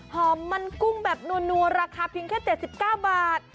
หอมมันกุ้งแบบนัวราคาเพียงแค่๗๙บาท